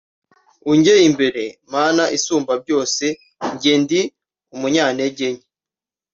Unjye imbere mana isumbabyose njye ndi umunyantegenke